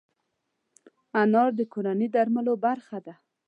انار د کورني درملو برخه ده.